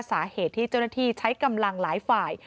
สาเหตุที่เจ้าหน้าที่ใช้กำลังหลายฝ่าย